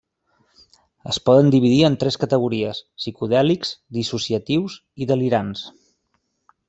Es poden dividir en tres categories: psicodèlics, dissociatius i delirants.